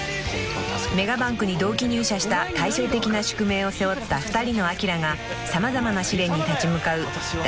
［メガバンクに同期入社した対照的な宿命を背負った２人のアキラが様々な試練に立ち向かう大逆転エンターテインメントです］